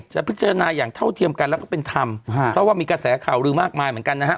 จะพิจารณาอย่างเท่าเทียมกันแล้วก็เป็นธรรมเพราะว่ามีกระแสข่าวลือมากมายเหมือนกันนะฮะ